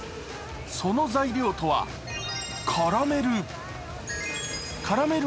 その材料とはカラメル。